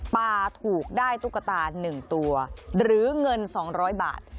ปลาถูกได้ตุ๊กตา๑ตัวหรือเงิน๒๐๐บาท